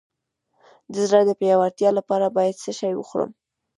د زړه د پیاوړتیا لپاره باید څه شی وخورم؟